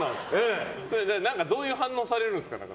それはどういう反応されるんですか？